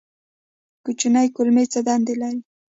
کوچنۍ کولمې څه دنده لري؟